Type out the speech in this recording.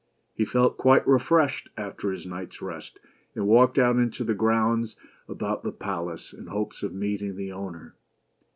He felt quite refreshed after his night's rest, and walked out in the grounds about the palace, in hopes of meeting the owner.